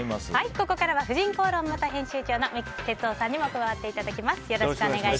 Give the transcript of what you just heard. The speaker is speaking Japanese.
ここからは「婦人公論」元編集長の三木哲男さんにも加わっていただきます。